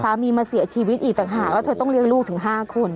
มาเสียชีวิตอีกต่างหากแล้วเธอต้องเลี้ยงลูกถึง๕คน